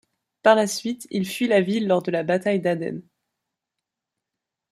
Par la suite, il fuit la ville lors de la bataille d'Aden.